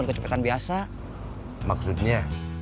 kamu tetap di jalur bis